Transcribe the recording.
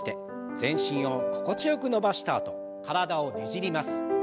全身を心地よく伸ばしたあと体をねじります。